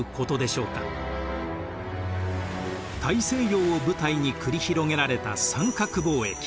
大西洋を舞台に繰り広げられた三角貿易。